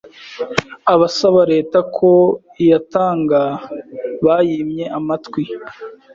abasaba leta ko iyatanga yabimye amatwi.